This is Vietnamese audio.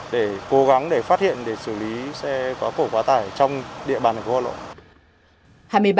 để cố gắng để phát hiện để xử lý xe quá khổ hoặc quá tải trong địa bàn của hà nội